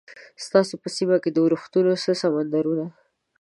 ستاسو په سیمه کې د ورښتونو څه سمندرونه؟